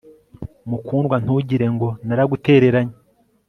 Mukundwa ntugire ngo naragutereranye